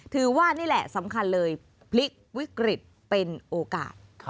ถือว่านี่แหละสำคัญเลยพลิกวิกฤตเป็นโอกาส